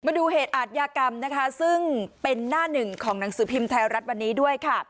มาดูเหตุอาทยากรรมนะคะซึ่งเป็นหน้าหนึ่งของหนังสือพิมพ์ไทยรัฐวันนี้ด้วยค่ะ